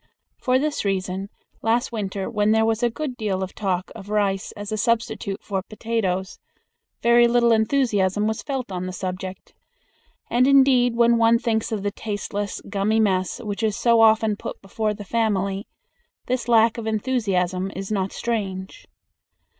For this reason last winter when there was a good deal of talk of rice as a substitute for potatoes, very little enthusiasm was felt on the subject, and indeed when one thinks of the tasteless, gummy mess which is so often put before the family, this lack of enthusiasm is not strange.